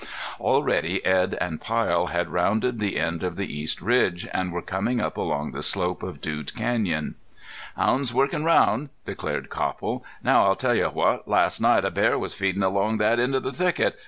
Already Edd and Pyle had rounded the end of the east ridge and were coming up along the slope of Dude Canyon. "Hounds workin' round," declared Copple. "Now I'll tell you what. Last night a bear was feedin' along that end of the thicket.